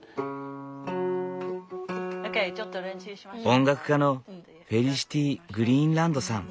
音楽家のフェリシティ・グリーンランドさん。